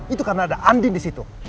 itu karena ada andien disitu